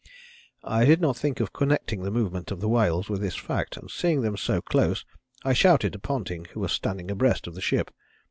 I did not think of connecting the movement of the whales with this fact, and seeing them so close I shouted to Ponting, who was standing abreast of the ship.